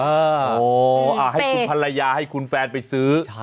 โอ้โหให้คุณภรรยาให้คุณแฟนไปซื้อ